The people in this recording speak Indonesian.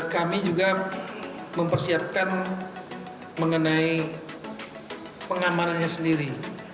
kami juga mempersiapkan mengenai pengamanannya sendiri